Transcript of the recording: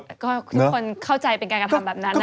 แต่ก็ทุกคนเข้าใจเป็นการกระทำแบบนั้น